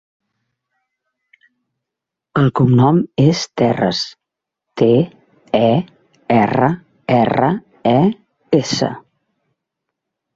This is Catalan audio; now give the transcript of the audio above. El cognom és Terres: te, e, erra, erra, e, essa.